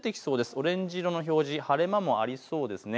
オレンジ色の表示、晴れ間もありそうです。